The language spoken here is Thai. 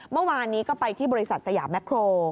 เมื่อวานนี้ก็ไปที่บริษัทสยามแคร